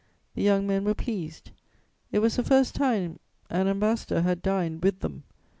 The young men were pleased: it was the first time an ambassador had dined 'with them.'